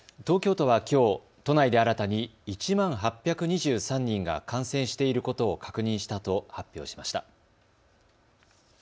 東京都はきょう都内で新たに１万８２３人が感染していることを確認したと発表しました。